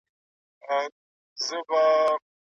د معدې پړسوب د جدي ناروغۍ نښه ده.